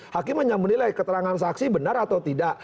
hakim hanya menilai keterangan saksi benar atau tidak